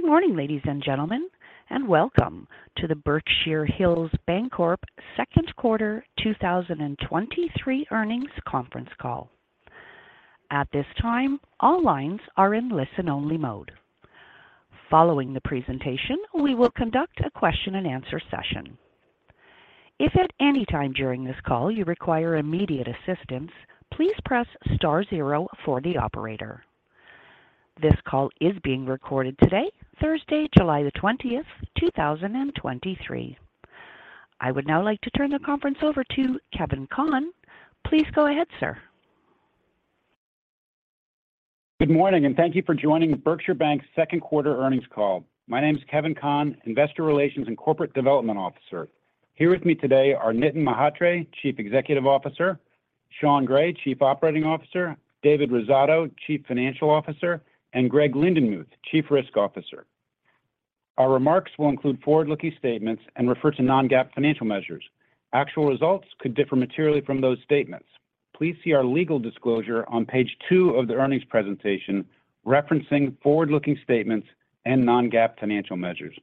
Good morning, ladies and gentlemen, welcome to the Berkshire Hills Bancorp Second Quarter 2023 Earnings Conference Call. At this time, all lines are in listen-only mode. Following the presentation, we will conduct a question-and-answer session. If at any time during this call you require immediate assistance, please press star zero for the operator. This call is being recorded today, Thursday, July 20th, 2023. I would now like to turn the conference over to Kevin Conn. Please go ahead, sir. Good morning, thank you for joining Berkshire Bank's Second Quarter Earnings Call. My name is Kevin Conn, Investor Relations and Corporate Development Officer. Here with me today are Nitin Mhatre, Chief Executive Officer; Sean Gray, Chief Operating Officer; David Rosato, Chief Financial Officer; and Greg Lindenmuth, Chief Risk Officer. Our remarks will include forward-looking statements and refer to non-GAAP financial measures. Actual results could differ materially from those statements. Please see our legal disclosure on page two of the earnings presentation, referencing forward-looking statements and non-GAAP financial measures.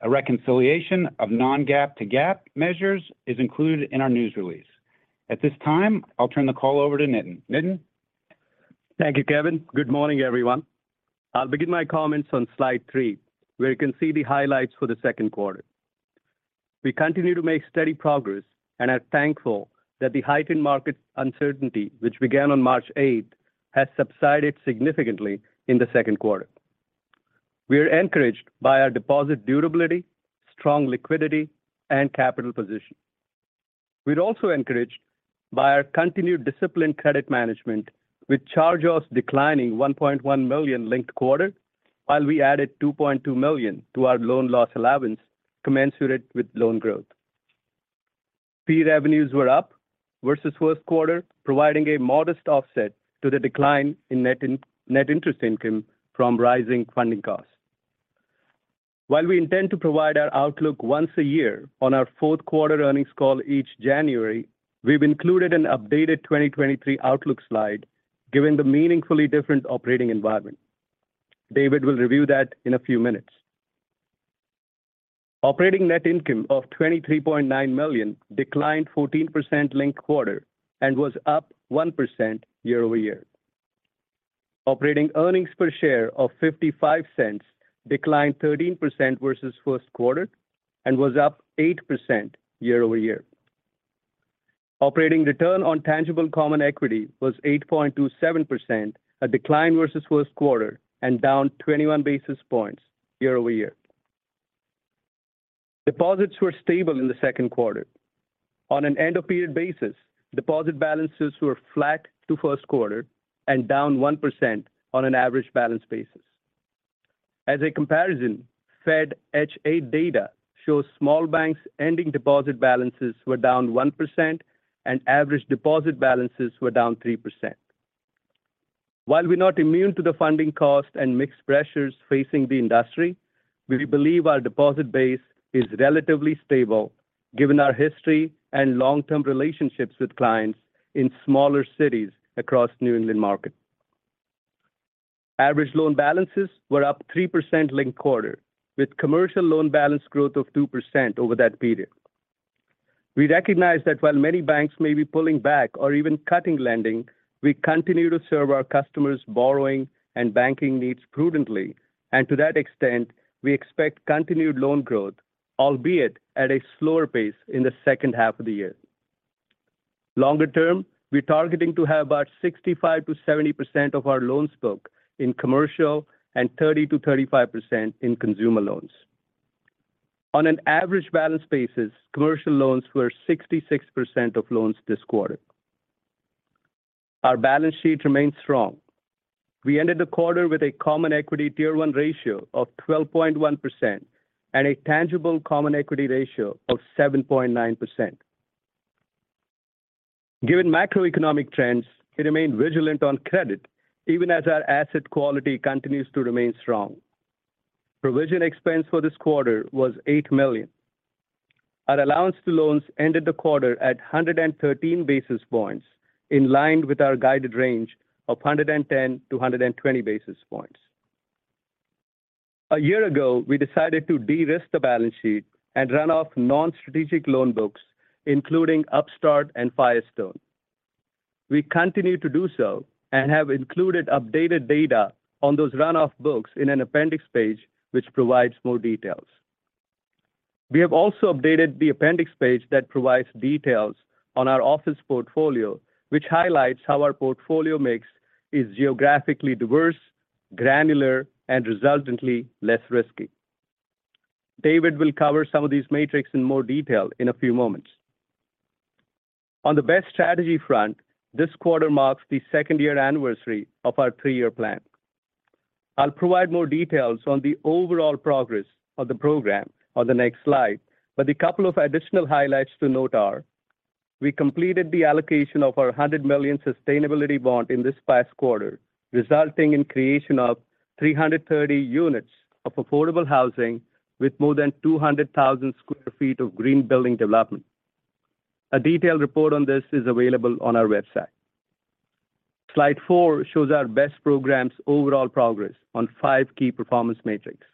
A reconciliation of non-GAAP to GAAP measures is included in our news release. At this time, I'll turn the call over to Nitin. Nitin? Thank you, Kevin. Good morning, everyone. I'll begin my comments on slide three, where you can see the highlights for the second quarter. We continue to make steady progress and are thankful that the heightened market uncertainty, which began on March eighth, has subsided significantly in the second quarter. We are encouraged by our deposit durability, strong liquidity, and capital position. We're also encouraged by our continued disciplined credit management, with charge-offs declining $1.1 million linked quarter, while we added $2.2 million to our loan loss allowance, commensurate with loan growth. Fee revenues were up versus first quarter, providing a modest offset to the decline in net interest income from rising funding costs. While we intend to provide our outlook once a year on our fourth quarter earnings call each January, we've included an updated 2023 outlook slide, given the meaningfully different operating environment. David will review that in a few minutes. Operating net income of $23.9 million declined 14% linked quarter and was up 1% year over year. Operating earnings per share of $0.55 declined 13% versus first quarter and was up 8% year over year. Operating return on tangible common equity was 8.27%, a decline versus first quarter and down 21 basis points year over year. Deposits were stable in the second quarter. On an end of period basis, deposit balances were flat to first quarter and down 1% on an average balance basis. As a comparison, Fed H.8 data shows small banks' ending deposit balances were down 1% and average deposit balances were down 3%. While we're not immune to the funding cost and mixed pressures facing the industry, we believe our deposit base is relatively stable given our history and long-term relationships with clients in smaller cities across New England market. Average loan balances were up 3% linked quarter, with commercial loan balance growth of 2% over that period. We recognize that while many banks may be pulling back or even cutting lending, we continue to serve our customers' borrowing and banking needs prudently, and to that extent, we expect continued loan growth, albeit at a slower pace in the second half of the year. Longer term, we're targeting to have about 65%-70% of our loan stock in commercial and 30%-35% in consumer loans. On an average balance basis, commercial loans were 66% of loans this quarter. Our balance sheet remains strong. We ended the quarter with a Common Equity Tier 1 ratio of 12.1% and a tangible common equity ratio of 7.9%. Given macroeconomic trends, we remain vigilant on credit, even as our asset quality continues to remain strong. Provision expense for this quarter was $8 million. Our allowance to loans ended the quarter at 113 basis points, in line with our guided range of 110-120 basis points. A year ago, we decided to de-risk the balance sheet and run off non-strategic loan books, including Upstart and Firestone. We continue to do so and have included updated data on those run-off books in an appendix page, which provides more details. We have also updated the appendix page that provides details on our office portfolio, which highlights how our portfolio mix is geographically diverse, granular, and resultantly less risky. David will cover some of these metrics in more detail in a few moments. On the BEST strategy front, this quarter marks the second-year anniversary of our three-year plan. I'll provide more details on the overall progress of the program on the next slide, but a couple of additional highlights to note are: we completed the allocation of our $100 million sustainability bond in this past quarter, resulting in creation of 330 units of affordable housing with more than 200,000 sq ft of green building development. A detailed report on this is available on our website. Slide four shows our BEST program's overall progress on five key performance metrics.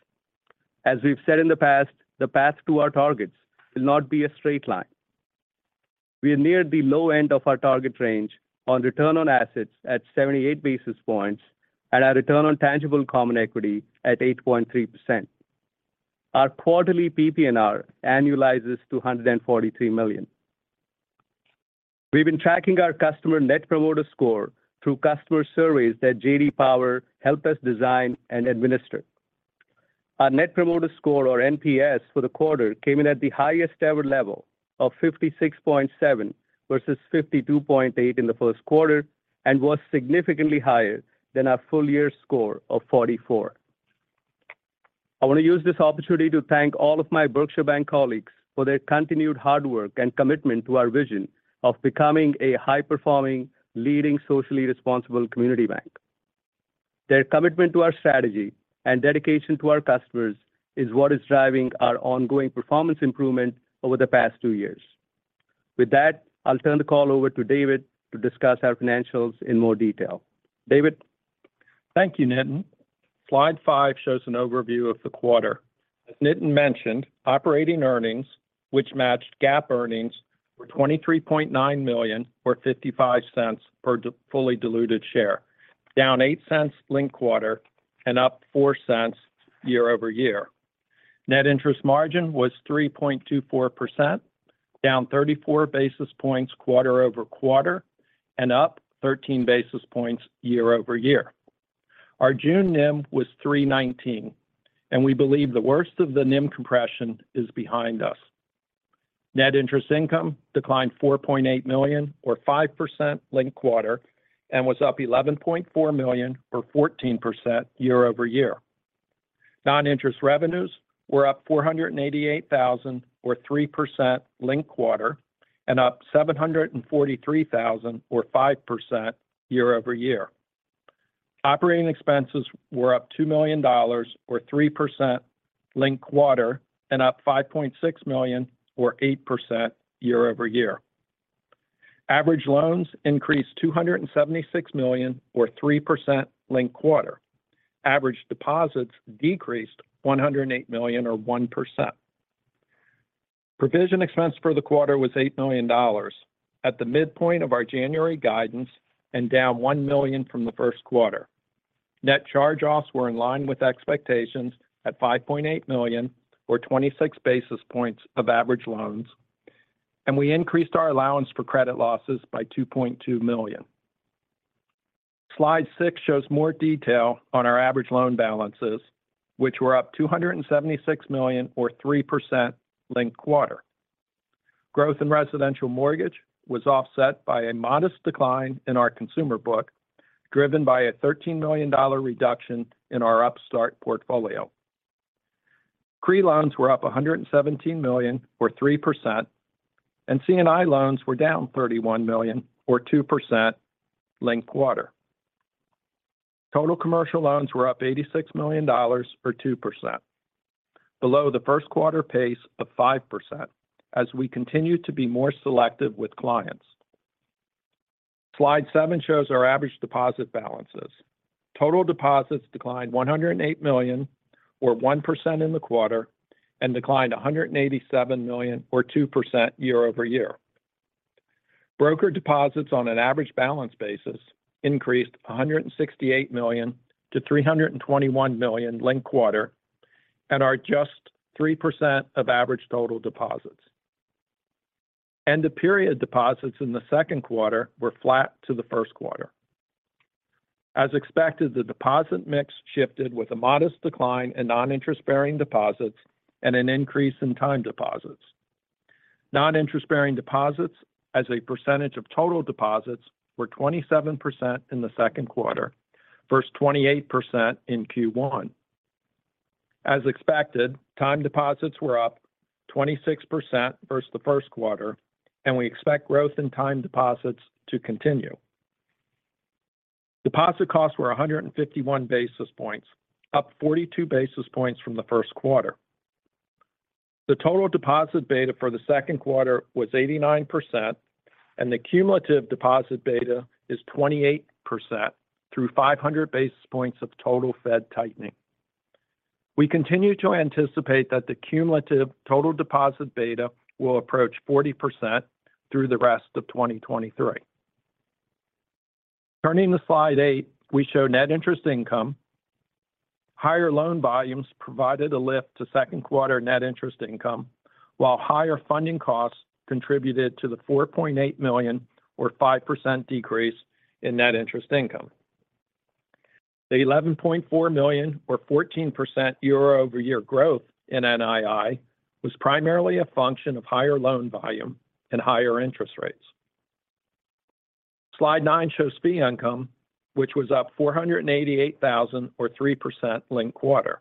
As we've said in the past, the path to our targets will not be a straight line. We are near the low end of our target range on return on assets at 78 basis points and our return on tangible common equity at 8.3%. Our quarterly PPNR annualizes to $143 million. We've been tracking our customer Net Promoter Score through customer surveys that J.D. Power helped us design and administer. Our Net Promoter Score, or NPS, for the quarter came in at the highest ever level of 56.7 versus 52.8 in the first quarter and was significantly higher than our full year score of 44. I want to use this opportunity to thank all of my Berkshire Bank colleagues for their continued hard work and commitment to our vision of becoming a high-performing, leading, socially responsible community bank. Their commitment to our strategy and dedication to our customers is what is driving our ongoing performance improvement over the past two years. With that, I'll turn the call over to David to discuss our financials in more detail. David? Thank you, Nitin. Slide five shows an overview of the quarter. As Nitin mentioned, operating earnings, which matched GAAP earnings, were $23.9 million, or $0.55 per fully diluted share, down $0.08 linked quarter and up $0.04 year-over-year. Net interest margin was 3.24%, down 34 basis points quarter-over-quarter, and up 13 basis points year-over-year. Our June NIM was 3.19%, and we believe the worst of the NIM compression is behind us. Net interest income declined $4.8 million, or 5% linked quarter, and was up $11.4 million, or 14% year-over-year. Non-interest revenues were up $488,000, or 3% linked quarter, and up $743,000, or 5% year-over-year. Operating expenses were up $2 million or 3% linked quarter, and up $5.6 million or 8% year-over-year. Average loans increased $276 million or 3% linked quarter. Average deposits decreased $108 million or 1%. Provision expense for the quarter was $8 million, at the midpoint of our January guidance and down $1 million from the 1st quarter. Net charge-offs were in line with expectations at $5.8 million or 26 basis points of average loans, and we increased our allowance for credit losses by $2.2 million. Slide 6 shows more detail on our average loan balances, which were up $276 million or 3% linked quarter. Growth in residential mortgage was offset by a modest decline in our consumer book, driven by a $13 million reduction in our Upstart portfolio. CRE loans were up $117 million or 3%, and C&I loans were down $31 million or 2% linked quarter. Total commercial loans were up $86 million or 2%, below the first quarter pace of 5% as we continue to be more selective with clients. Slide seven shows our average deposit balances. Total deposits declined $108 million or 1% in the quarter, and declined $187 million or 2% year-over-year. Brokered deposits on an average balance basis increased $168 million to $321 million linked quarter and are just 3% of average total deposits. End of period deposits in the second quarter were flat to the first quarter. As expected, the deposit mix shifted with a modest decline in non-interest-bearing deposits and an increase in time deposits. Non-interest-bearing deposits, as a percentage of total deposits, were 27% in the second quarter versus 28% in Q1. As expected, time deposits were up 26% versus the first quarter, and we expect growth in time deposits to continue. Deposit costs were 151 basis points, up 42 basis points from the first quarter. The total deposit beta for the second quarter was 89%, and the cumulative deposit beta is 28% through 500 basis points of total Fed tightening. We continue to anticipate that the cumulative total deposit beta will approach 40% through the rest of 2023. Turning to slide eight, we show net interest income. Higher loan volumes provided a lift to second quarter net interest income, while higher funding costs contributed to the $4.8 million, or 5% decrease in net interest income. The $11.4 million, or 14% year-over-year growth in NII, was primarily a function of higher loan volume and higher interest rates. Slide nine shows fee income, which was up $488,000 or 3% linked quarter.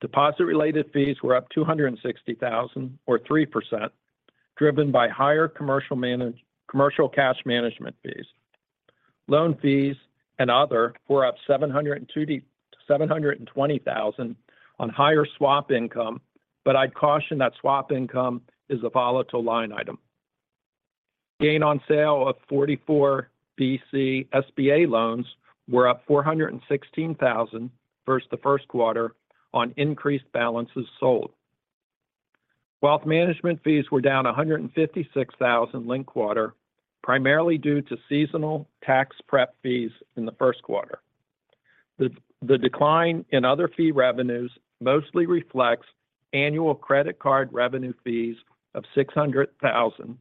Deposit-related fees were up $260,000 or 3%, driven by higher commercial cash management fees. Loan fees and other were up $720,000 on higher swap income. I'd caution that swap income is a volatile line item. Gain on sale of 44 BC SBA loans were up $416,000 versus the first quarter on increased balances sold. Wealth management fees were down $156,000 linked quarter, primarily due to seasonal tax prep fees in the first quarter. The decline in other fee revenues mostly reflects annual credit card revenue fees of $600,000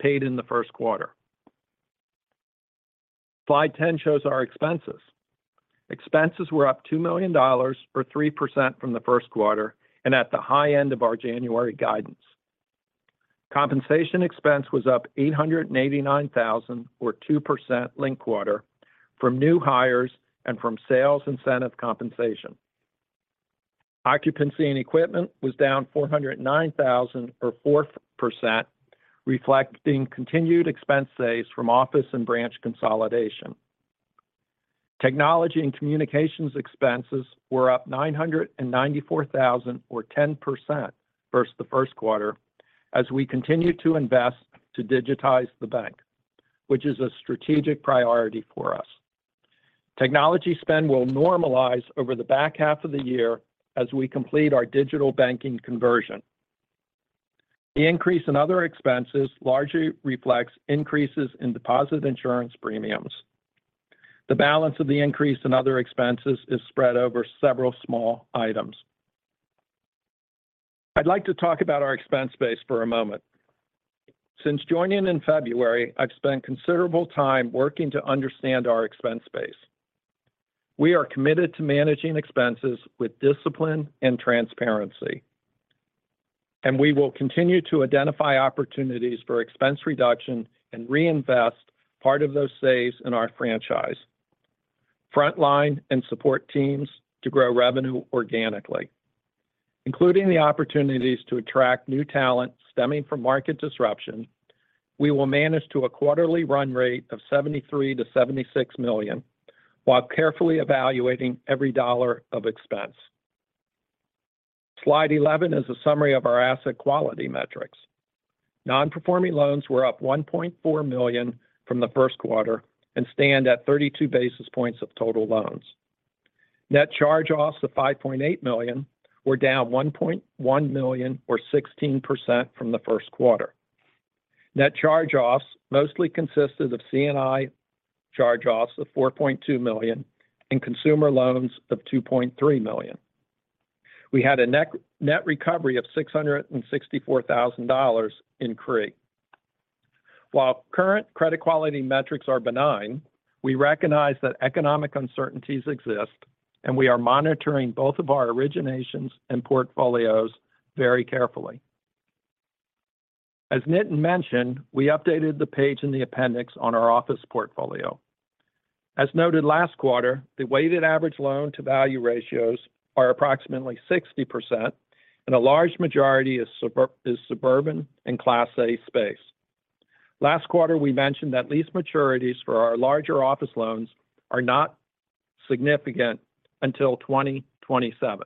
paid in the first quarter. Slide 10 shows our expenses. Expenses were up $2 million or 3% from the first quarter, and at the high end of our January guidance. Compensation expense was up $889,000 or 2% linked quarter from new hires and from sales incentive compensation. Occupancy and equipment was down $409,000 or 4%, reflecting continued expense saves from office and branch consolidation. Technology and communications expenses were up $994,000 or 10% versus the first quarter as we continue to invest to digitize the Bank, which is a strategic priority for us. Technology spend will normalize over the back half of the year as we complete our digital banking conversion. The increase in other expenses largely reflects increases in deposit insurance premiums. The balance of the increase in other expenses is spread over several small items. I'd like to talk about our expense base for a moment. Since joining in February, I've spent considerable time working to understand our expense base. We are committed to managing expenses with discipline and transparency. We will continue to identify opportunities for expense reduction and reinvest part of those saves in our franchise, frontline and support teams to grow revenue organically. Including the opportunities to attract new talent stemming from market disruption, we will manage to a quarterly run rate of $73 million-$76 million, while carefully evaluating every dollar of expense. Slide 11 is a summary of our asset quality metrics. Non-performing loans were up $1.4 million from the first quarter and stand at 32 basis points of total loans. Net charge-offs of $5.8 million were down $1.1 million or 16% from the first quarter. Net charge-offs mostly consisted of C&I charge-offs of $4.2 million and consumer loans of $2.3 million. We had a net recovery of $664,000 in CRE. While current credit quality metrics are benign, we recognize that economic uncertainties exist, and we are monitoring both of our originations and portfolios very carefully. As Nitin mentioned, we updated the page in the appendix on our office portfolio. As noted last quarter, the weighted average loan-to-value ratios are approximately 60%, and a large majority is suburban and Class A space. Last quarter, we mentioned that lease maturities for our larger office loans are not significant until 2027.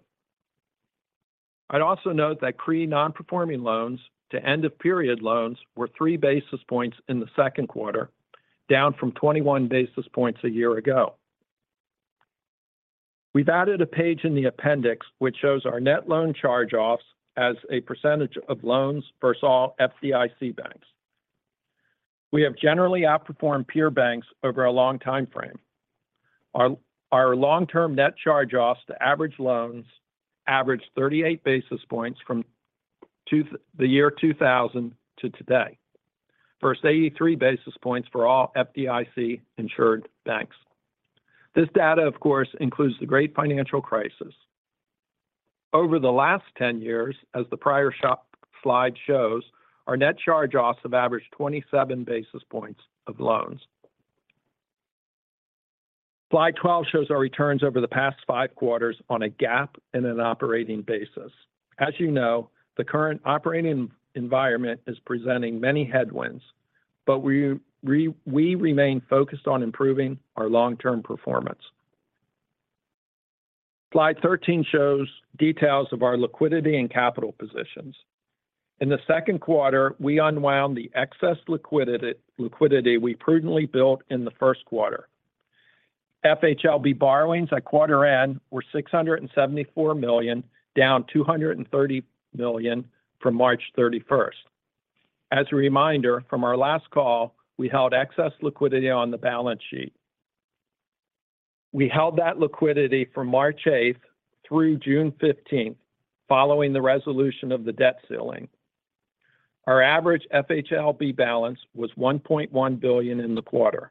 I'd also note that CRE non-performing loans to end-of-period loans were three basis points in the second quarter, down from 21 basis points a year ago. We've added a page in the appendix, which shows our net loan charge-offs as a percentage of loans versus all FDIC banks. We have generally outperformed peer banks over a long timeframe. Our long-term net charge-offs to average loans averaged 38 basis points from the year 2000 to today versus 83 basis points for all FDIC-insured banks. This data, of course, includes the great financial crisis. Over the last 10 years, as the prior slide shows, our net charge-offs have averaged 27 basis points of loans. Slide 12 shows our returns over the past five quarters on a GAAP and an operating basis. As you know, the current operating environment is presenting many headwinds, we remain focused on improving our long-term performance. Slide 13 shows details of our liquidity and capital positions. In the second quarter, we unwound the excess liquidity we prudently built in the first quarter. FHLB borrowings at quarter end were $674 million, down $230 million from March 31st. As a reminder, from our last call, we held excess liquidity on the balance sheet. We held that liquidity from March 8th through June 15th, following the resolution of the debt ceiling. Our average FHLB balance was $1.1 billion in the quarter.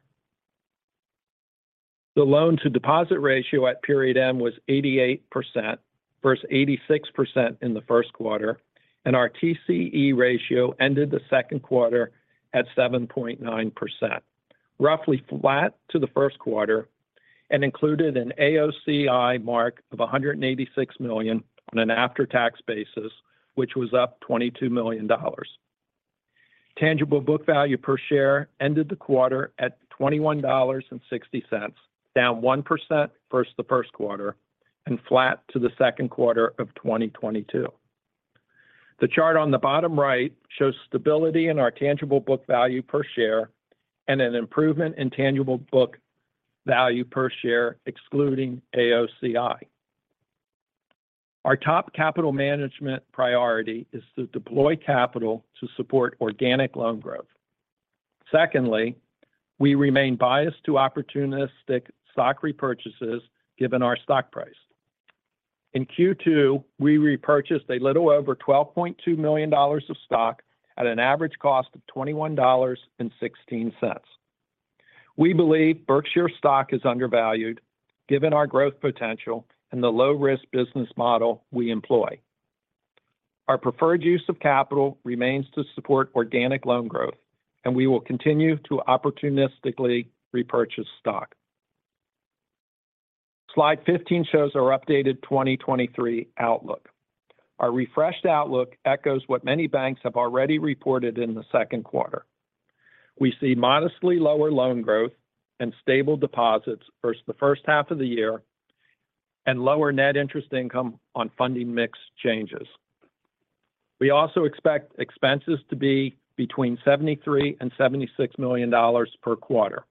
The loan-to-deposit ratio at period end was 88% versus 86% in the first quarter, and our TCE ratio ended the second quarter at 7.9%, roughly flat to the first quarter, and included an AOCI mark of $186 million on an after-tax basis, which was up $22 million. Tangible book value per share ended the quarter at $21.60, down 1% versus the first quarter and flat to the second quarter of 2022. The chart on the bottom right shows stability in our tangible book value per share and an improvement in tangible book value per share, excluding AOCI. Our top capital management priority is to deploy capital to support organic loan growth. Secondly, we remain biased to opportunistic stock repurchases given our stock price. In Q2, we repurchased a little over $12.2 million of stock at an average cost of $21.16. We believe Berkshire stock is undervalued, given our growth potential and the low-risk business model we employ. Our preferred use of capital remains to support organic loan growth, and we will continue to opportunistically repurchase stock. Slide 15 shows our updated 2023 outlook. Our refreshed outlook echoes what many banks have already reported in the second quarter. We see modestly lower loan growth and stable deposits versus the first half of the year. Lower net interest income on funding mix changes. We also expect expenses to be between $73 million and $76 million per quarter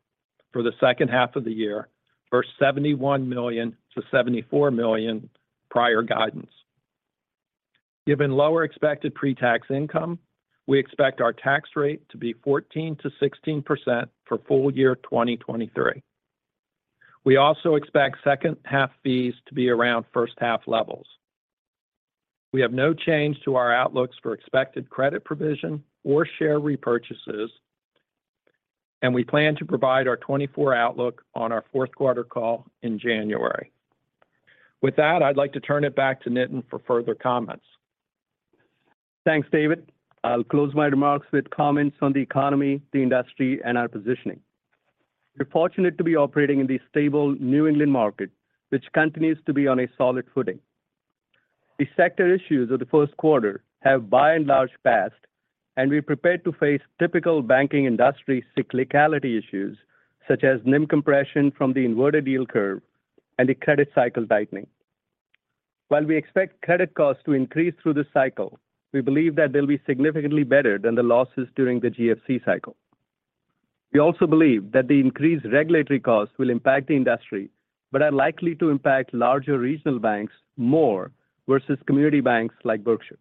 for the second half of the year, versus $71 million-$74 million prior guidance. Given lower expected pre-tax income, we expect our tax rate to be 14%-16% for full year 2023. We also expect second half fees to be around first half levels. We have no change to our outlooks for expected credit provision or share repurchases, and we plan to provide our 2024 outlook on our fourth quarter call in January. With that, I'd like to turn it back to Nitin for further comments. Thanks, David. I'll close my remarks with comments on the economy, the industry, and our positioning. We're fortunate to be operating in the stable New England market, which continues to be on a solid footing. The sector issues of the first quarter have by and large passed, and we are prepared to face typical banking industry cyclicality issues such as NIM compression from the inverted yield curve and the credit cycle tightening. While we expect credit costs to increase through this cycle, we believe that they'll be significantly better than the losses during the GFC cycle. We also believe that the increased regulatory costs will impact the industry, but are likely to impact larger regional banks more versus community banks like Berkshire.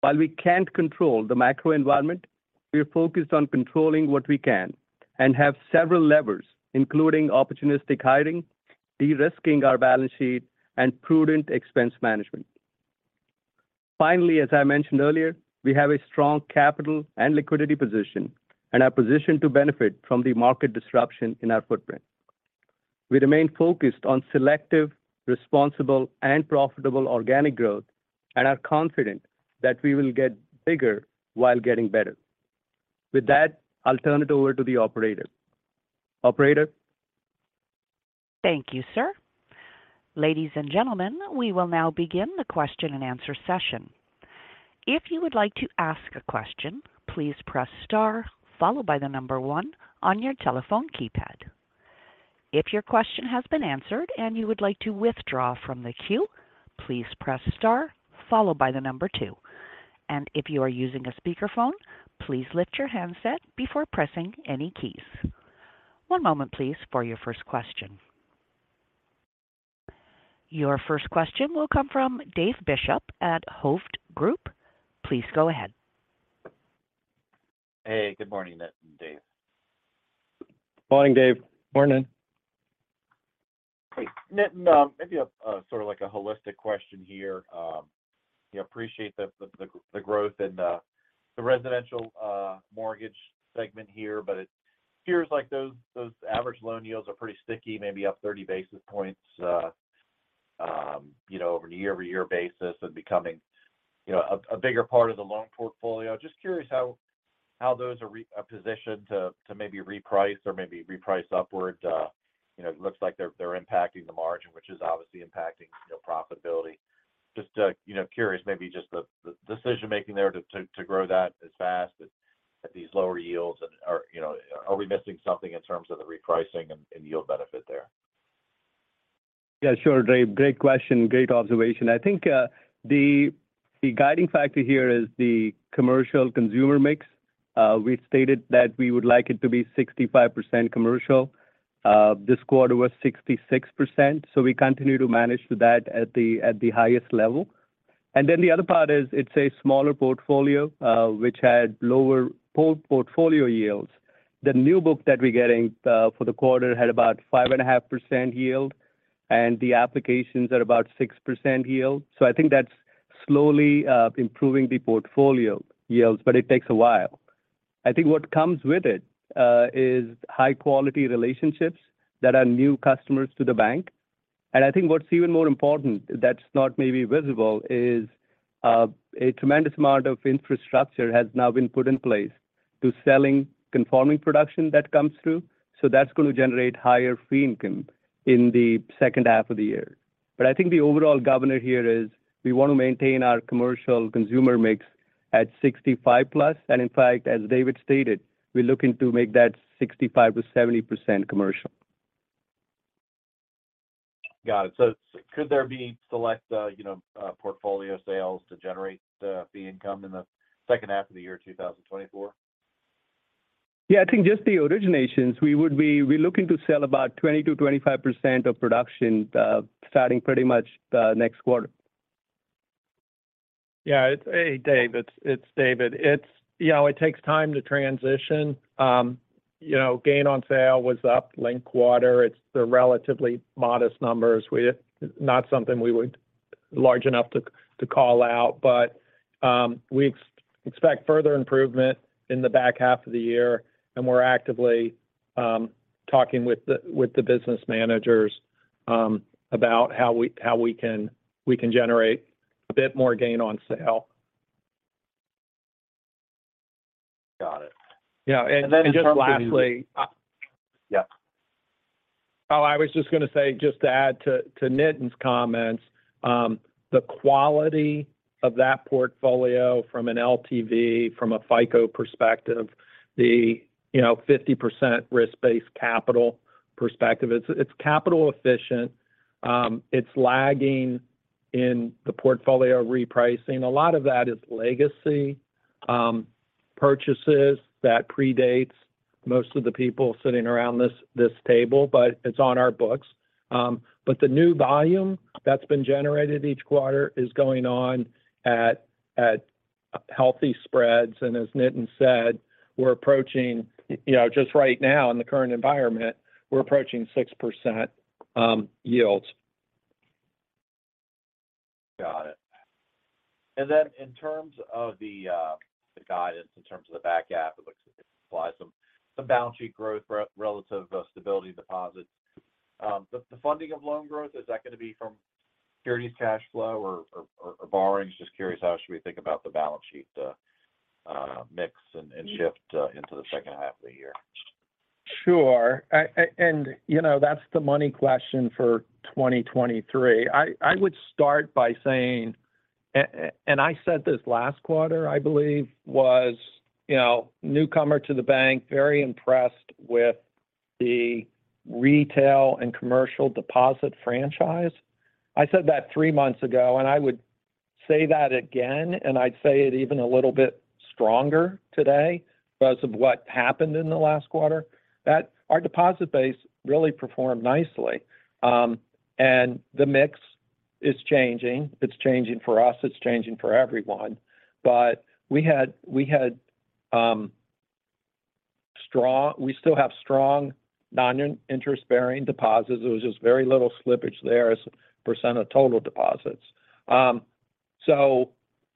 While we can't control the macro environment, we are focused on controlling what we can and have several levers, including opportunistic hiring, de-risking our balance sheet, and prudent expense management. Finally, as I mentioned earlier, we have a strong capital and liquidity position and are positioned to benefit from the market disruption in our footprint. We remain focused on selective, responsible, and profitable organic growth and are confident that we will get bigger while getting better. With that, I'll turn it over to the operator. Operator? Thank you, sir. Ladies and gentlemen, we will now begin the question and answer session. If you would like to ask a question, please press star followed by one on your telephone keypad. If your question has been answered and you would like to withdraw from the queue, please press star followed by two. If you are using a speakerphone, please lift your handset before pressing any keys. One moment, please, for your first question. Your first question will come from Dave Bishop at Hovde Group. Please go ahead. Hey, good morning, Nitin. Dave. Morning, Dave. Morning. Hey, Nitin, maybe a sort of like a holistic question here. We appreciate the growth in the residential mortgage segment here, but it appears like those average loan yields are pretty sticky, maybe up 30 basis points, you know, over a year-over-year basis and becoming, you know, a bigger part of the loan portfolio. Just curious how those are positioned to maybe reprice or maybe reprice upward. You know, it looks like they're impacting the margin, which is obviously impacting, you know, profitability. Just to, you know, curious, maybe just the decision-making there to grow that as fast at these lower yields. Are, you know, are we missing something in terms of the repricing and yield benefit there? Yeah, sure, Dave. Great question. Great observation. I think the guiding factor here is the commercial consumer mix. We stated that we would like it to be 65% commercial. This quarter was 66%, we continue to manage that at the highest level. The other part is it's a smaller portfolio, which had lower portfolio yields. The new book that we're getting for the quarter had about 5.5% yield, and the applications are about 6% yield. I think that's slowly improving the portfolio yields, it takes a while. I think what comes with it is high-quality relationships that are new customers to the bank. I think what's even more important, that's not maybe visible, is a tremendous amount of infrastructure has now been put in place. to selling conforming production that comes through. That's going to generate higher fee income in the second half of the year. I think the overall governor here is we want to maintain our commercial consumer mix at 65%+, and in fact, as David stated, we're looking to make that 65%-70% commercial. Got it. Could there be select, you know, portfolio sales to generate the income in the second half of the year, 2024? Yeah, I think just the originations, we're looking to sell about 20%-25% of production, starting pretty much the next quarter. Yeah, Hey, Dave, it's David. It's, you know, it takes time to transition. You know, gain on sale was up linked quarter. It's the relatively modest numbers. Not something we would large enough to call out, but we expect further improvement in the back half of the year. We're actively talking with the business managers about how we can generate a bit more gain on sale. Got it. Yeah. Just lastly. Yeah. I was just gonna say, just to add to Nitin's comments, the quality of that portfolio from an LTV, from a FICO perspective, the, you know, 50% risk-based capital perspective, it's capital efficient. It's lagging in the portfolio repricing. A lot of that is legacy purchases that predates most of the people sitting around this table, but it's on our books. The new volume that's been generated each quarter is going on at healthy spreads. As Nitin said, we're approaching, you know, just right now in the current environment, we're approaching 6% yields. Got it. In terms of the guidance, in terms of the back half, it looks like it implies some balance sheet growth relative to stability deposits. The funding of loan growth, is that going to be from securities cash flow or borrowing? Just curious, how should we think about the balance sheet mix and shift into the second half of the year? Sure. You know, that's the money question for 2023. I would start by saying, I said this last quarter, I believe, was, you know, newcomer to the bank, very impressed with the retail and commercial deposit franchise. I said that three months ago, and I would say that again, and I'd say it even a little bit stronger today because of what happened in the last quarter, that our deposit base really performed nicely. The mix is changing. It's changing for us, it's changing for everyone. We still have strong non-interest-bearing deposits. It was just very little slippage there as % of total deposits.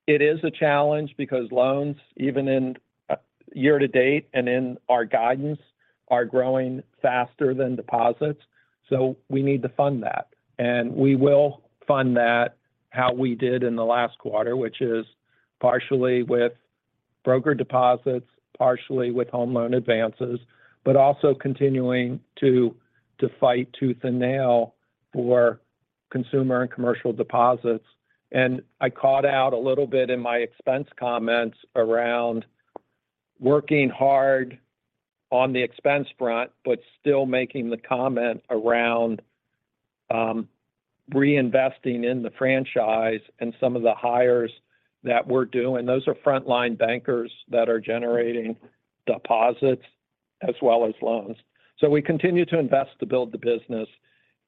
It is a challenge because loans, even in year to date and in our guidance, are growing faster than deposits. We need to fund that, and we will fund that how we did in the last quarter, which is partially with broker deposits, partially with home loan advances, but also continuing to fight tooth and nail for consumer and commercial deposits. I called out a little bit in my expense comments around working hard on the expense front, but still making the comment around reinvesting in the franchise and some of the hires that we're doing. Those are frontline bankers that are generating deposits as well as loans. We continue to invest to build the business,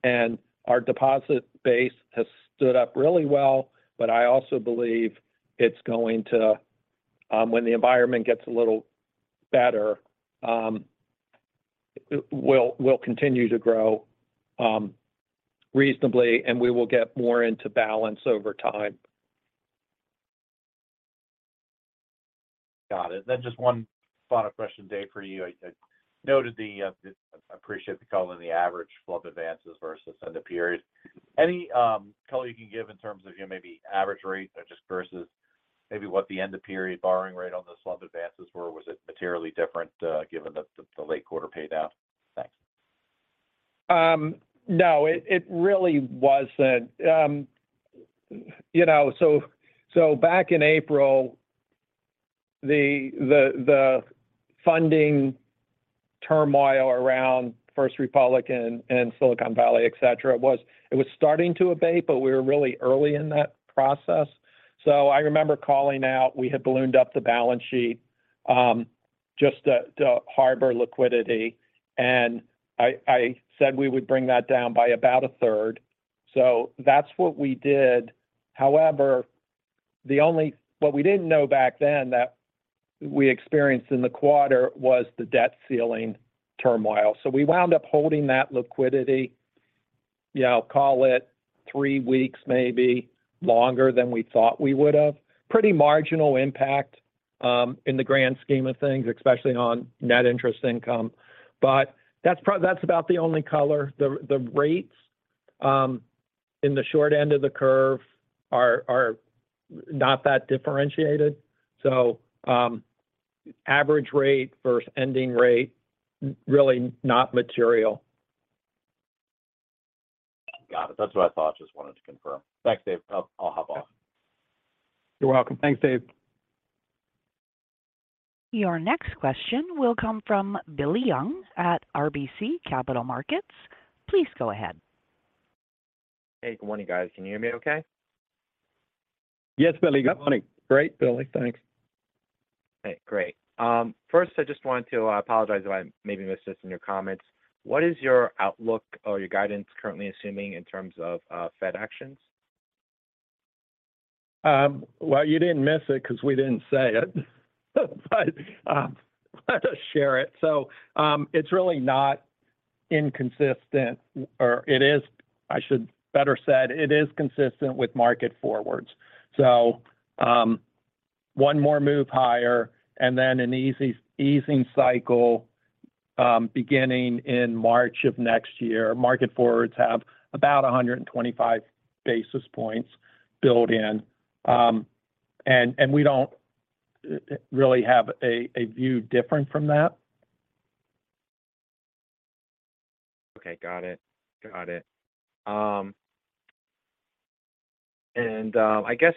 and our deposit base has stood up really well, but I also believe it's going to, when the environment gets a little better, it will continue to grow reasonably, and we will get more into balance over time. Got it. Just one final question, Dave, for you. I noted the, appreciate the color in the average loan advances versus end of period. Any color you can give in terms of, you know, maybe average rates or just versus maybe what the end of period borrowing rate on the loan advances were? Was it materially different, given the late quarter pay down? Thanks. No, it really wasn't. You know, back in April, the funding turmoil around First Republic Bank and Silicon Valley Bank, et cetera, it was starting to abate, but we were really early in that process. I remember calling out, we had ballooned up the balance sheet, just to harbor liquidity, and I said we would bring that down by about a third. That's what we did. However, what we didn't know back then that we experienced in the quarter was the debt ceiling turmoil. We wound up holding that liquidity, you know, call it three weeks, maybe longer than we thought we would have. Pretty marginal impact, in the grand scheme of things, especially on Net interest income. That's about the only color. The rates... in the short end of the curve are not that differentiated. Average rate versus ending rate, really not material. Got it. That's what I thought. Just wanted to confirm. Thanks, Dave. I'll hop off. You're welcome. Thanks, Dave. Your next question will come from Bill Young at RBC Capital Markets. Please go ahead. Hey, good morning, guys. Can you hear me okay? Yes, Billy. Good morning. Great, Billy, thanks. Hey, great. First, I just wanted to apologize if I maybe missed this in your comments. What is your outlook or your guidance currently assuming in terms of Fed actions? Well, you didn't miss it 'cause we didn't say it. Let us share it. It's really not inconsistent, or I should better said, it is consistent with market forwards. One more move higher, and then an easing cycle, beginning in March of next year. Market forwards have about 125 basis points built in. And we don't really have a view different from that. Okay, got it. Got it. I guess,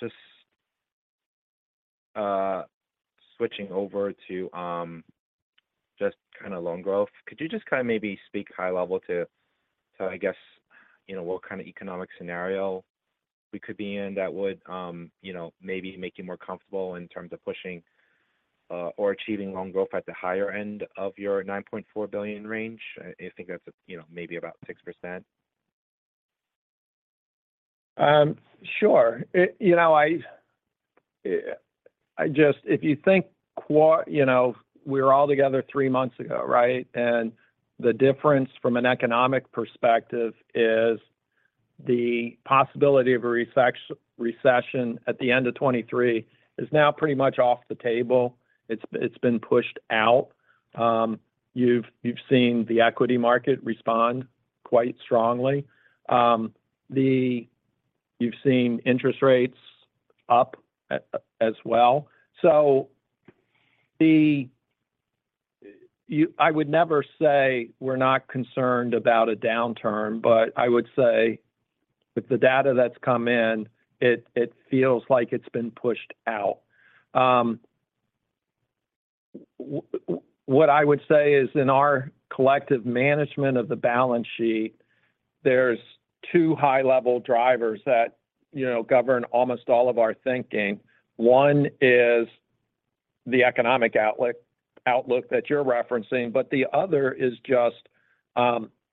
just switching over to just kind of loan growth. Could you just kind of maybe speak high level to I guess, you know, what kind of economic scenario we could be in that would, you know, maybe make you more comfortable in terms of pushing or achieving loan growth at the higher end of your $9.4 billion range? I think that's, you know, maybe about 6%. Sure. You know, I just if you think what, you know, we were all together three months ago, right? The difference from an economic perspective is the possibility of a recession at the end of 2023 is now pretty much off the table. It's been pushed out. You've seen the equity market respond quite strongly. You've seen interest rates up as well. I would never say we're not concerned about a downturn, but I would say with the data that's come in, it feels like it's been pushed out. What I would say is in our collective management of the balance sheet, there's two high-level drivers that, you know, govern almost all of our thinking. One is the economic outlook that you're referencing, the other is just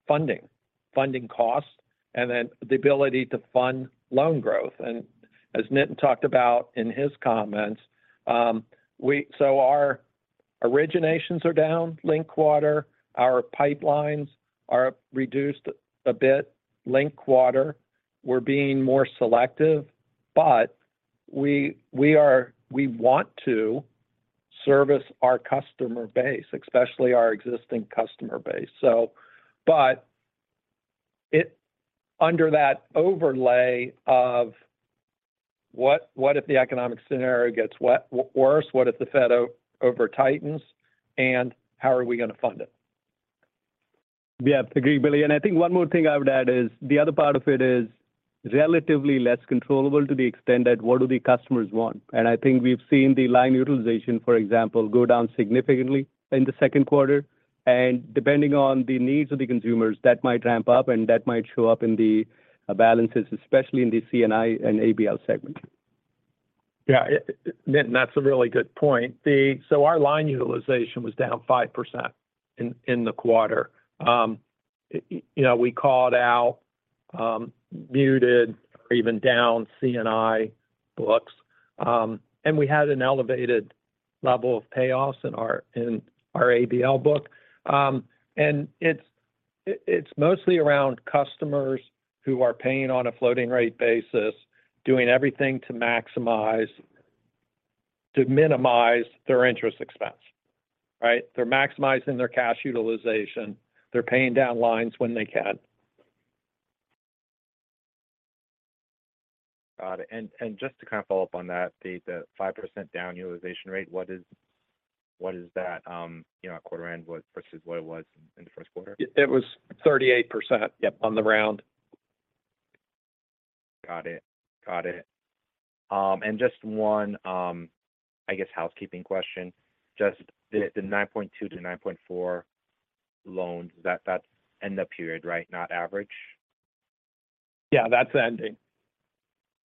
funding costs, and the ability to fund loan growth. As Nitin talked about in his comments, our originations are down linked quarter, our pipelines are reduced a bit linked quarter. We're being more selective, we want to service our customer base, especially our existing customer base. It under that overlay of what if the economic scenario gets worse? What if the Fed over-tightens, and how are we going to fund it? Yeah, agreed, Billy. I think one more thing I would add is the other part of it is relatively less controllable to the extent that what do the customers want. I think we've seen the line utilization, for example, go down significantly in the second quarter, and depending on the needs of the consumers, that might ramp up and that might show up in the balances, especially in the C&I and ABL segment. Nitin, that's a really good point. Our line utilization was down 5% in the quarter. You know, we called out muted or even down C&I books. We had an elevated level of payoffs in our ABL book. It's mostly around customers who are paying on a floating rate basis, doing everything to minimize their interest expense, right? They're maximizing their cash utilization, they're paying down lines when they can. Got it. Just to kind of follow up on that, the 5% down utilization rate, what is that, you know, at quarter end versus what it was in the first quarter? It was 38%. Yep on the round. Got it. Got it. Just one, I guess, housekeeping question. Just the 9.2%-9.4% loans, that's end of period, right? Not average. Yeah, that's ending.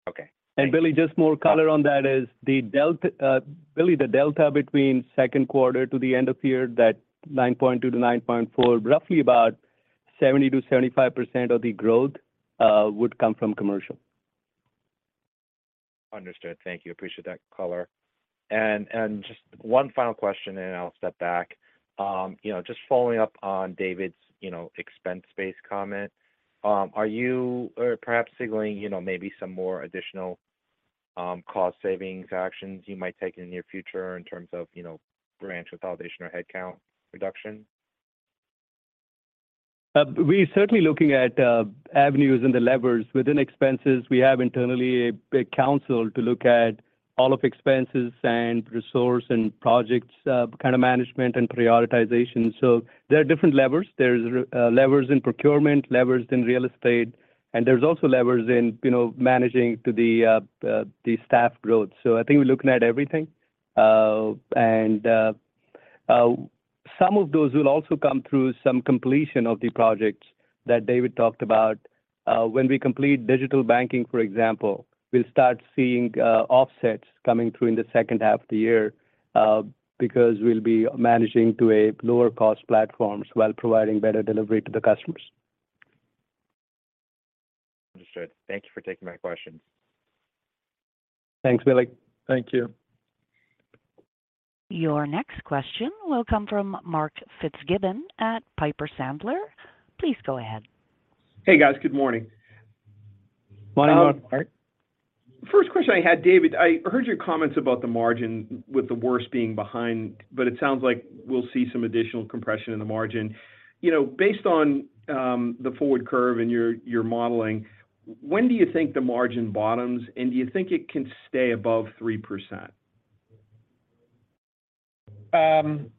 Okay. Billy, just more color on that is the delta, Billy, the delta between second quarter to the end of the year, that 9.2%-9.4%, roughly about 70%-75% of the growth would come from commercial. Understood. Thank you. Appreciate that color. Just one final question, and then I'll step back. you know, just following up on David's, you know, expense-based comment, are you, perhaps signaling, you know, maybe some more additional...... cost savings actions you might take in the near future in terms of, you know, branch consolidation or headcount reduction? We're certainly looking at avenues and the levers. Within expenses, we have internally a big council to look at all of expenses and resource and projects, kind of management and prioritization. There are different levers. There's levers in procurement, levers in real estate, and there's also levers in, you know, managing to the staff growth. I think we're looking at everything. And some of those will also come through some completion of the projects that David talked about. When we complete digital banking, for example, we'll start seeing offsets coming through in the second half of the year because we'll be managing to a lower-cost platforms while providing better delivery to the customers. Understood. Thank you for taking my questions. Thanks, Billy. Thank you. Your next question will come from Mark Fitzgibbon at Piper Sandler. Please go ahead. Hey, guys. Good morning. Morning, Mark. First question I had, David: I heard your comments about the margin with the worst being behind, but it sounds like we'll see some additional compression in the margin. You know, based on the forward curve in your modeling, when do you think the margin bottoms, and do you think it can stay above 3%? I'll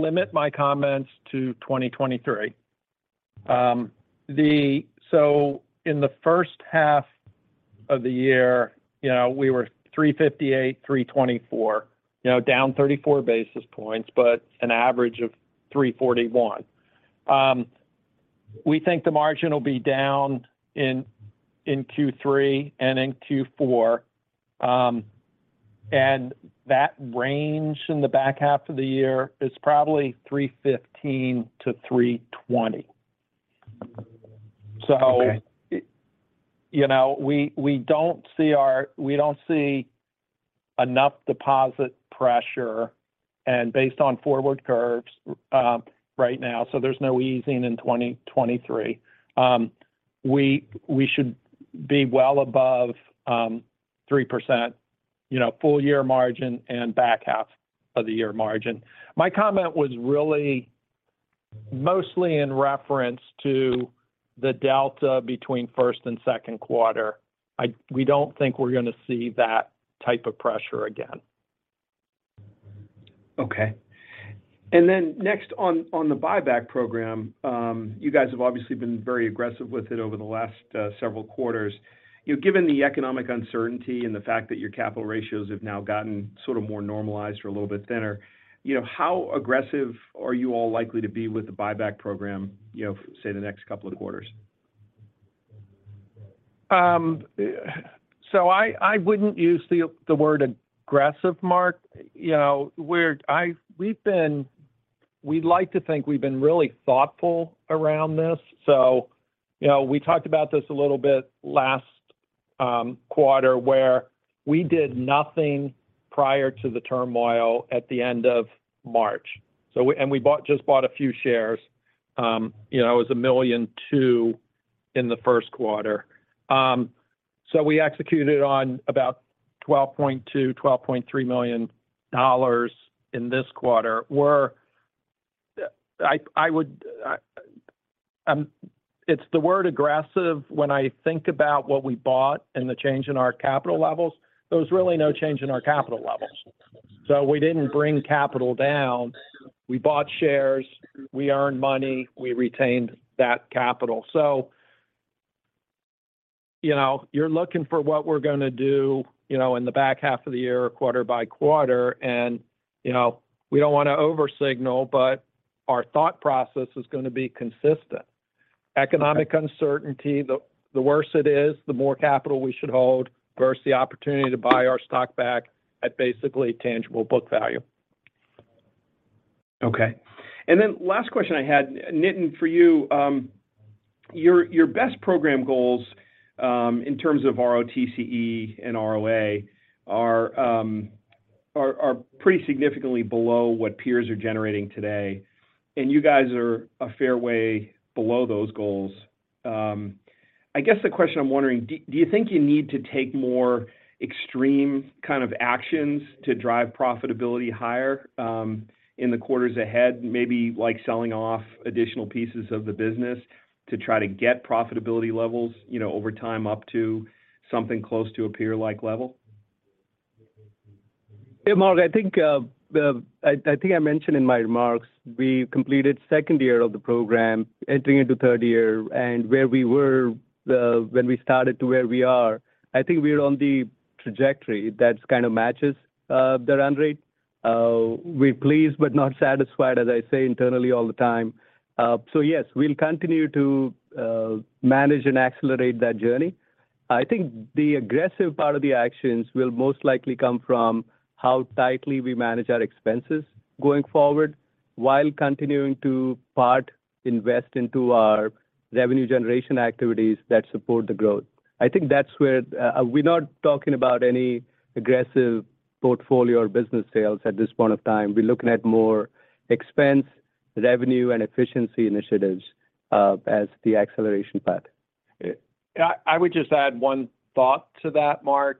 limit my comments to 2023. In the first half of the year, you know, we were 3.58%, 3.24%, you know, down 34 basis points, but an average of 3.41%. We think the margin will be down in Q3 and in Q4. That range in the back half of the year is probably 3.15%-3.20%. Okay. You know, we don't see enough deposit pressure and based on forward curves, right now, so there's no easing in 2023. We should be well above 3%, you know, full year margin and back half of the year margin. My comment was really mostly in reference to the delta between first and second quarter. We don't think we're gonna see that type of pressure again. Okay. Next on the buyback program, you guys have obviously been very aggressive with it over the last several quarters. You know, given the economic uncertainty and the fact that your capital ratios have now gotten sort of more normalized or a little bit thinner, you know, how aggressive are you all likely to be with the buyback program, you know, say, the next couple of quarters? I wouldn't use the word aggressive, Mark. You know, we'd like to think we've been really thoughtful around this. You know, we talked about this a little bit last quarter, where we did nothing prior to the turmoil at the end of March. We bought, just bought a few shares, you know, it was $1.2 million in the first quarter. We executed on about $12.2 million-$12.3 million in this quarter, where I would... It's the word aggressive when I think about what we bought and the change in our capital levels. There was really no change in our capital levels. We didn't bring capital down. We bought shares, we earned money, we retained that capital. You know, you're looking for what we're gonna do, you know, in the back half of the year, quarter by quarter, and, you know, we don't wanna over-signal, but our thought process is gonna be consistent. Okay. Economic uncertainty, the worse it is, the more capital we should hold, versus the opportunity to buy our stock back at basically tangible book value. Last question I had, Nitin, for you, your BEST program goals, in terms of ROTCE and ROA are pretty significantly below what peers are generating today, and you guys are a fair way below those goals. I guess the question I'm wondering, do you think you need to take more extreme kind of actions to drive profitability higher in the quarters ahead, maybe like selling off additional pieces of the business to try to get profitability levels, you know, over time up to something close to a peer-like level? Hey, Mark, I think I mentioned in my remarks, we completed second year of the program, entering into third year, and where we were when we started to where we are, I think we are on the trajectory that kind of matches the run rate. We're pleased but not satisfied, as I say internally all the time. Yes, we'll continue to manage and accelerate that journey. I think the aggressive part of the actions will most likely come from how tightly we manage our expenses going forward, while continuing to part invest into our revenue generation activities that support the growth. I think that's where. We're not talking about any aggressive portfolio or business sales at this point of time. We're looking at more revenue and efficiency initiatives as the acceleration path. I would just add one thought to that, Mark,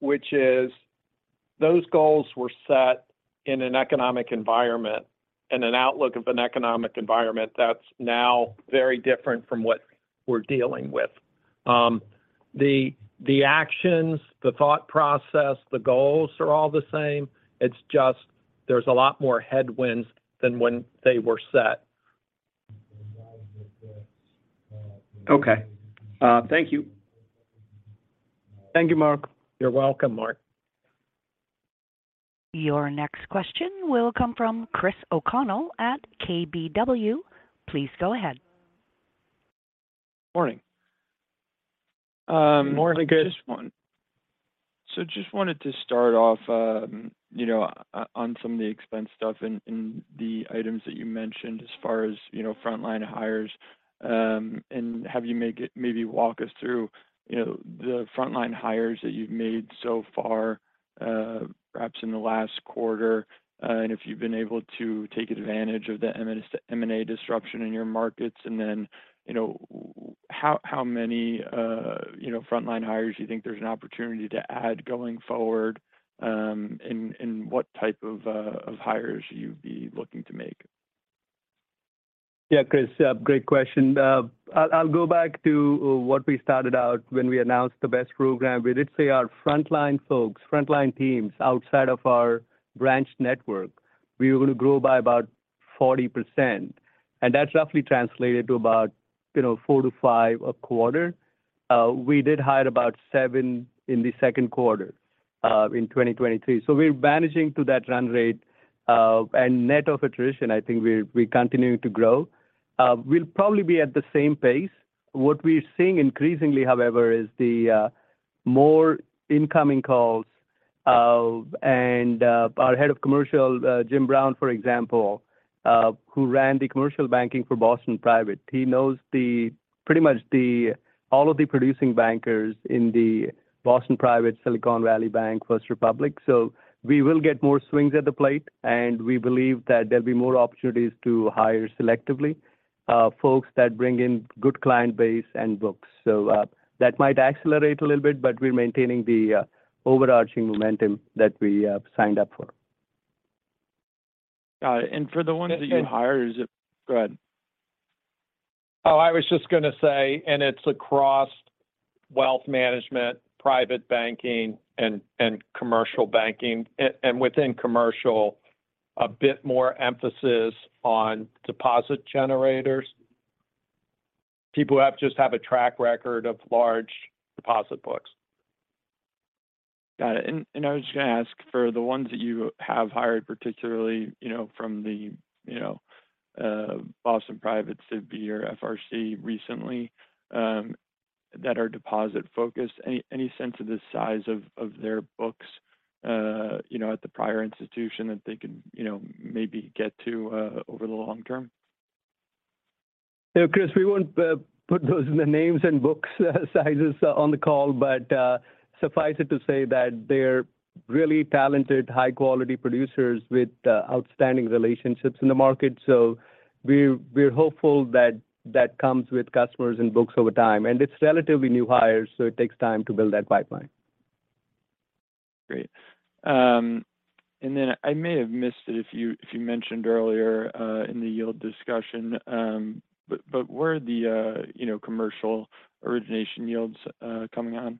which is those goals were set in an economic environment and an outlook of an economic environment that's now very different from what we're dealing with. The actions, the thought process, the goals are all the same. It's just there's a lot more headwinds than when they were set. Okay. Thank you. Thank you, Mark. You're welcome, Mark. Your next question will come from Chris O'Connell at KBW. Please go ahead. Morning. Morning, Chris. Just wanted to start off, you know, on some of the expense stuff and the items that you mentioned as far as, you know, frontline hires. Have you maybe walk us through, you know, the frontline hires that you've made so far, perhaps in the last quarter. If you've been able to take advantage of the M&A disruption in your markets, and then, you know, how many, you know, frontline hires you think there's an opportunity to add going forward, and what type of hires you'd be looking to make? Yeah, Chris, great question. I'll go back to what we started out when we announced the BEST program. We did say our frontline folks, frontline teams outside of our branch network, we were going to grow by about 40%, and that roughly translated to about, you know, four to five a quarter. We did hire about seven in the second quarter in 2023. We're managing to that run rate, and net of attrition, I think we're continuing to grow. We'll probably be at the same pace. What we're seeing increasingly, however, is the more incoming calls. Our head of commercial, Jim Brown, for example, who ran the commercial banking for Boston Private, he knows the pretty much the all of the producing bankers in the Boston Private Silicon Valley Bank, First Republic. We will get more swings at the plate, and we believe that there'll be more opportunities to hire selectively, folks that bring in good client base and books. That might accelerate a little bit, but we're maintaining the overarching momentum that we signed up for. Got it. For the ones that you hired- And- Go ahead. Oh, I was just going to say, it's across wealth management, private banking, and commercial banking. Within commercial, a bit more emphasis on deposit generators. People who just have a track record of large deposit books. Got it. I was just going to ask for the ones that you have hired, particularly, you know, from the, you know, Boston Private, [SVB] or FRC recently, that are deposit-focused, any sense of the size of their books, you know, at the prior institution that they can, you know, maybe get to over the long term? Yeah, Chris, we won't put those names and books sizes on the call, but suffice it to say that they're really talented, high-quality producers with outstanding relationships in the market. We're hopeful that that comes with customers and books over time. It's relatively new hires, so it takes time to build that pipeline. Great. I may have missed it if you mentioned earlier, in the yield discussion, where are the, you know, commercial origination yields, coming on?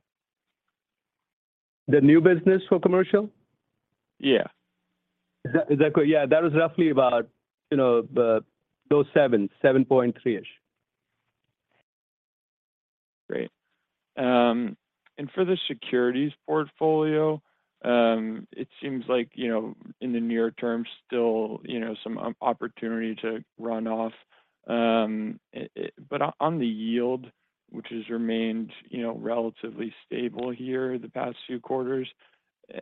The new business for commercial? Yeah. Is that correct? Yeah, that was roughly about, you know, the low sevens, 7.3-ish. Great. For the securities portfolio, it seems like, you know, in the near term, still, you know, some opportunity to run off. But on the yield, which has remained, you know, relatively stable here the past few quarters,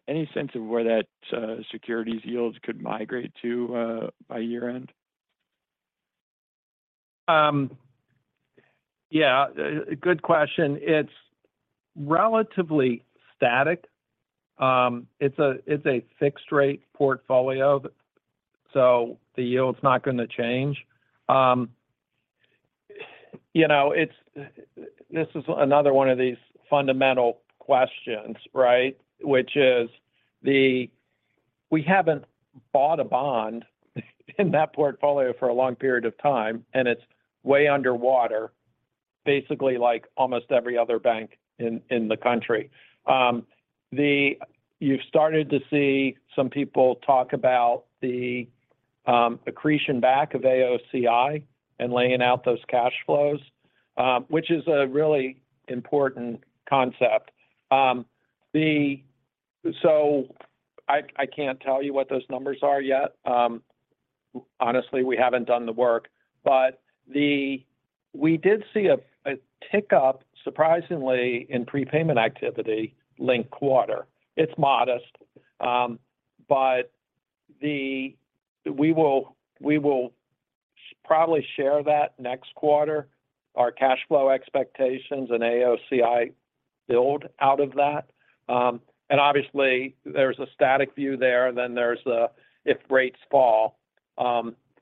any sense of where that securities yields could migrate to by year-end? Yeah, a good question. It's relatively static. It's a fixed-rate portfolio, but so the yield's not going to change. You know, it's this is another one of these fundamental questions, right? Which is we haven't bought a bond in that portfolio for a long period of time, and it's way underwater, basically like almost every other bank in the country. You've started to see some people talk about the accretion back of AOCI and laying out those cash flows, which is a really important concept. So, I can't tell you what those numbers are yet. Honestly, we haven't done the work, but we did see a tick-up, surprisingly, in prepayment activity linked quarter. It's modest, but we will... probably share that next quarter, our cash flow expectations and AOCI build out of that. Obviously, there's a static view there, and then there's a if rates fall,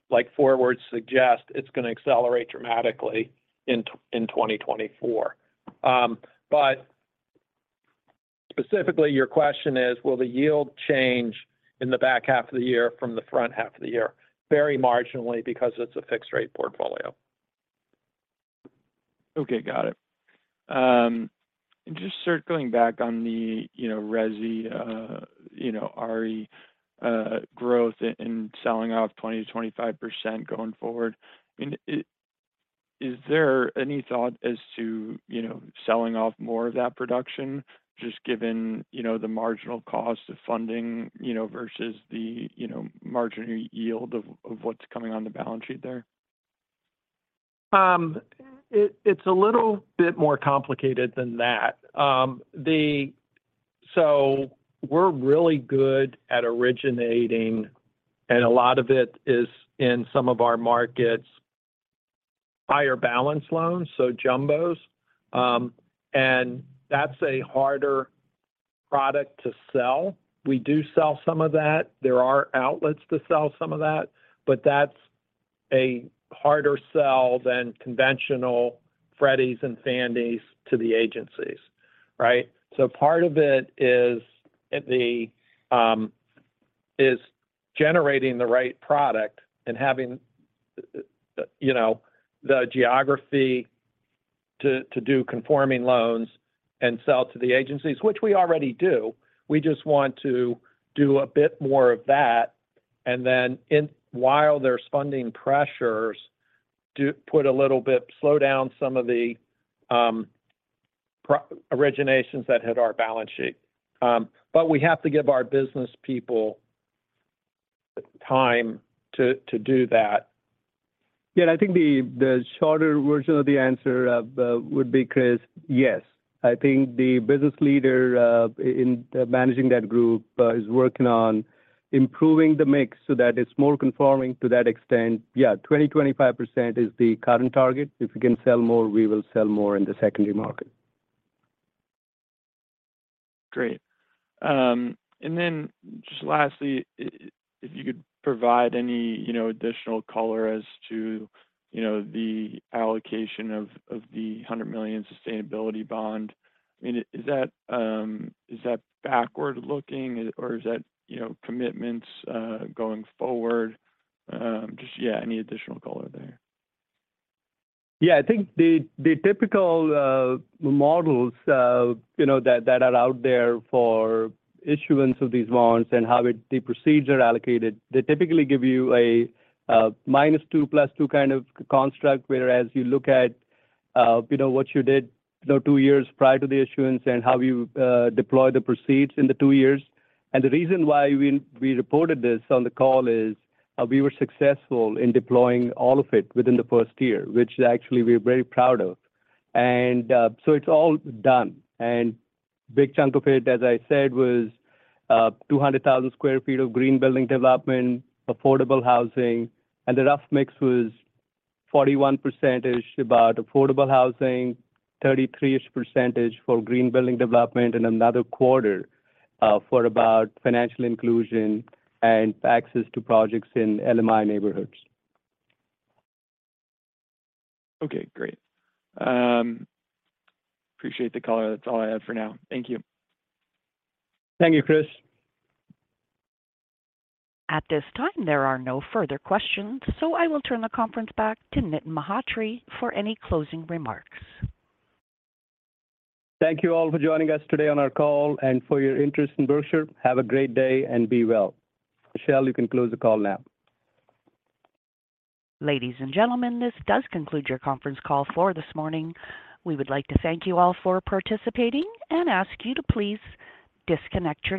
like forwards suggest, it's going to accelerate dramatically in 2024. Specifically, your question is, will the yield change in the back half of the year from the front half of the year? Very marginally, because it's a fixed-rate portfolio. Okay, got it. Just circling back on the, you know, [resi], you know, RE, growth and selling off 20%-25% going forward, I mean, is there any thought as to, you know, selling off more of that production, just given, you know, the marginal cost of funding, you know, versus the, you know, marginal yield of what's coming on the balance sheet there? It's a little bit more complicated than that. We're really good at originating, and a lot of it is in some of our markets, higher balance loans, so jumbos. That's a harder product to sell. We do sell some of that. There are outlets to sell some of that, but that's a harder sell than conventional Freddies and Fannies to the agencies, right? Part of it is, at the, is generating the right product and having, you know, the geography to do conforming loans and sell to the agencies, which we already do. We just want to do a bit more of that, and then while there's funding pressures, put a little bit, slow down some of the originations that hit our balance sheet. We have to give our business people time to do that. Yeah, I think the shorter version of the answer would be, Chris, yes. I think the business leader in managing that group is working on improving the mix so that it's more conforming to that extent. Yeah, 20%-25% is the current target. If we can sell more, we will sell more in the secondary market. Great. Just lastly, if you could provide any, you know, additional color as to, you know, the allocation of the $100 million sustainability bond. I mean, is that backward-looking, or is that, you know, commitments going forward? Just, yeah, any additional color there? Yeah, I think the typical models, you know, that are out there for issuance of these loans and how the proceeds are allocated, they typically give you a -2, +2 kind of construct, whereas you look at, you know, what you did, you know, two years prior to the issuance and how you deployed the proceeds in the two years. The reason why we reported this on the call is we were successful in deploying all of it within the first year, which actually we're very proud of. So, it's all done. Big chunk of it, as I said, was 200,000 sq ft of green building development, affordable housing, and the rough mix was 41% about affordable housing, 33% for green building development, and another quarter for about financial inclusion and access to projects in LMI neighborhoods. Okay, great. appreciate the color. That's all I have for now. Thank you. Thank you, Chris. At this time, there are no further questions, so I will turn the conference back to Nitin Mhatre for any closing remarks. Thank you all for joining us today on our call and for your interest in Berkshire. Have a great day and be well. Michelle, you can close the call now. Ladies and gentlemen, this does conclude your conference call for this morning. We would like to thank you all for participating and ask you to please disconnect your-